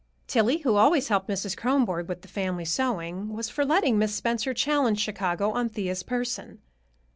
Tillie, who always helped Mrs. Kronborg with the family sewing, was for letting Miss Spencer challenge Chicago on Thea's person.